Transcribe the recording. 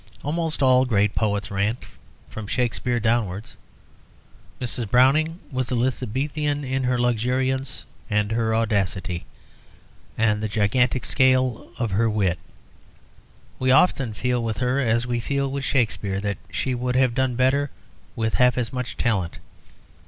Almost all great poets rant, from Shakespeare downwards. Mrs. Browning was Elizabethan in her luxuriance and her audacity, and the gigantic scale of her wit. We often feel with her as we feel with Shakespeare, that she would have done better with half as much talent.